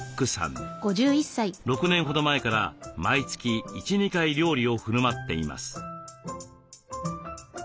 ６年ほど前から毎月１２回料理をふるまっています。